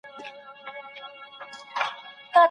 پټ په زړګي کي ډاريدم